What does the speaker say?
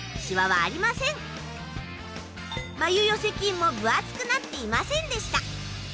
まゆ寄せ筋も分厚くなっていませんでした。